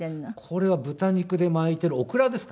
これは豚肉で巻いているオクラですかね。